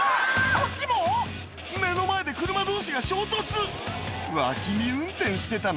こっちも⁉目の前で車同士が衝突脇見運転してたな？